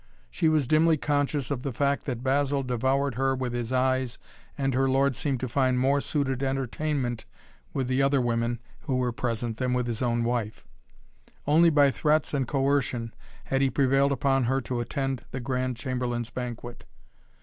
She was dimly conscious of the fact that Basil devoured her with his eyes and her lord seemed to find more suited entertainment with the other women who were present than with his own wife. Only by threats and coercion had he prevailed upon her to attend the Grand Chamberlain's banquet.